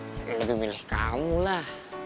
jadi aku lebih milih kamu lah